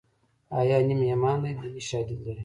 حیا نیم ایمان دی دیني شالید لري